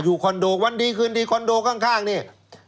คอนโดวันดีคืนดีคอนโดข้างเนี่ย